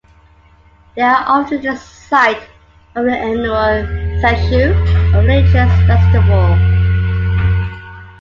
They are often the site of an annual "tsechu" or religious festival.